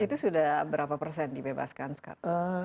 itu sudah berapa persen dibebaskan sekarang